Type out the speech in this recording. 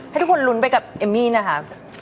ให้ทุกคนลุ้นไปกับเอมมี่นะคะ